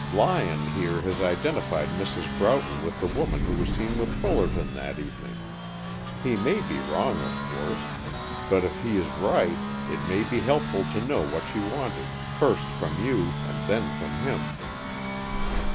Lyon, here, has identified Mrs. Broughton with the woman who was seen with Fullerton that evening. He may be wrong, of course. But if he is right, it may be helpful to know what she wanted, first from you and then from him."